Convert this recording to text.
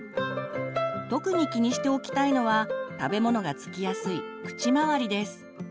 特に気にしておきたいのは食べ物が付きやすい口周りです。